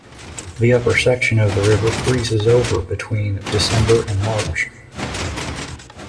The upper section of the river freezes over between December and March.